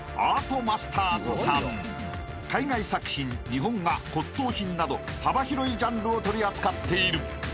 ［海外作品日本画骨董品など幅広いジャンルを取り扱っている］